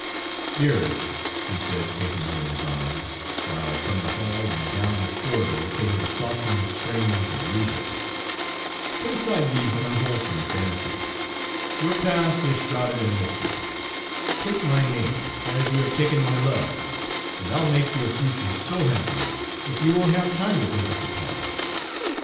"Dearest," he said, taking her in his arms, while from the hall and down the corridor came the softened strains of music, "put aside these unwholesome fancies. Your past is shrouded in mystery. Take my name, as you have taken my love, and I'll make your future so happy that you won't have time to think of the past.